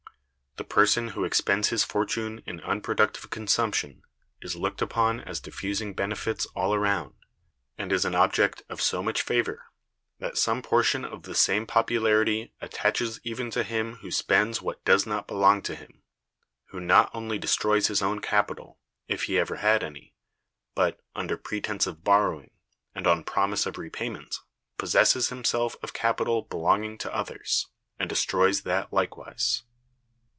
The person who expends his fortune in unproductive consumption is looked upon as diffusing benefits all around, and is an object of so much favor, that some portion of the same popularity attaches even to him who spends what does not belong to him; who not only destroys his own capital, if he ever had any, but, under pretense of borrowing, and on promise of repayment, possesses himself of capital belonging to others, and destroys that likewise.